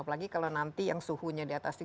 apalagi kalau nanti yang suhunya di atas tiga puluh